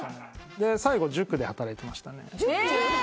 で最後塾で働いてましたねえ！